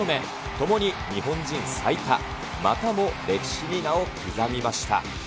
ともに日本人最多、またも歴史に名を刻みました。